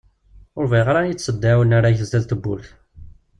Ur bɣiɣ ara ad iyi-ttseddiɛ unarag sdat tewwurt.